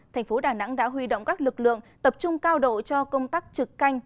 thành phố đà nẵng đã huy động các lực lượng tập trung cao độ cho công tác trực canh